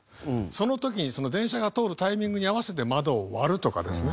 その時に電車が通るタイミングに合わせて窓を割るとかですね